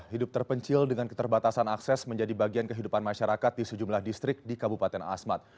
hidup terpencil dengan keterbatasan akses menjadi bagian kehidupan masyarakat di sejumlah distrik di kabupaten asmat